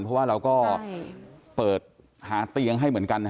เพราะว่าเราก็เปิดหาเตียงให้เหมือนกัน